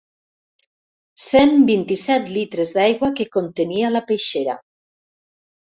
Cent vint-i-set litres d'aigua que contenia la peixera.